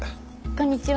こんにちは。